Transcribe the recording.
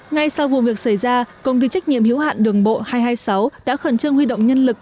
ngay sau vụ việc xảy ra công ty trách nhiệm hiếu hạn đường bộ hai trăm hai mươi sáu đã khẩn trương huy động nhân lực